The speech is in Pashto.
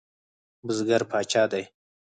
بزګر پاچا دی؟